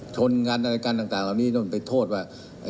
ชนการต่างต่างตรงนี้น่วงไปโทษว่า